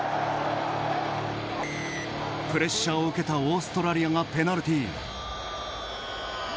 プレッシャーを受けたオーストラリアがペナルティ。